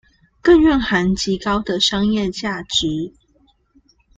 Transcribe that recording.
更蘊含極高的商業價值